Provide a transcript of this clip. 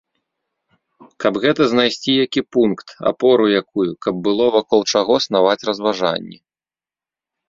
Каб гэта знайсці які пункт, апору якую, каб было вакол чаго снаваць разважанні.